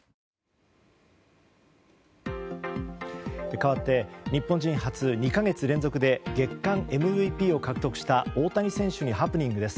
かわって日本人初２か月連続で月間ＭＶＰを獲得した大谷選手にハプニングです。